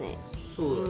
そうだね。